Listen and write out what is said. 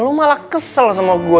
lu malah kesel sama gue